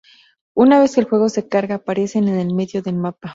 Una vez que el juego se carga, aparecen en el medio del mapa.